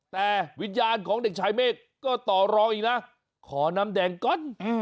แต่วิญญาณของเด็กชายเมฆก็ต่อรองอีกนะขอน้ำแดงก่อน